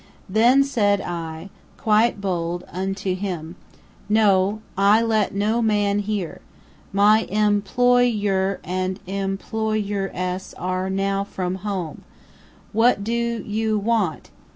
Then said I, quite bold, unto him, 'No. I let in no man here. My em ploy er and employ er ess are now from home. What do you want?'